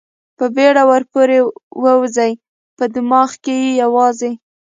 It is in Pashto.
په بېړه ور پورې ووځي، په دماغ کې یې یوازې.